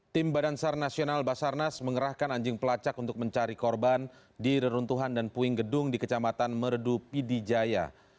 tim badan sar nasional basarnas mengerahkan anjing pelacak untuk mencari korban di reruntuhan dan puing gedung di kecamatan merdu pidijaya